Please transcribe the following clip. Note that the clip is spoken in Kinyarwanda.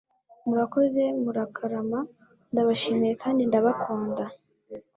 Murakoze murakarama ndabashimiye kandi ndabakunda